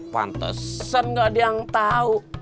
pantesan gak ada yang tahu